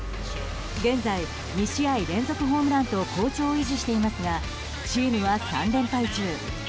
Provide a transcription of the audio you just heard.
現在、２試合連続ホームランと好調を維持していますがチームは３連敗中。